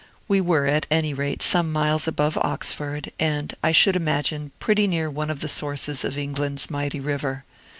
We were, at any rate, some miles above Oxford, and, I should imagine, pretty near one of the sources of England's mighty river.